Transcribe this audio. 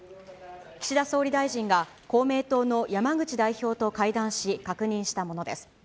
岸田総理大臣が公明党の山口代表と会談し、確認したものです。